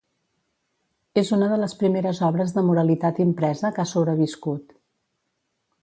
És una de les primeres obres de moralitat impresa que ha sobreviscut.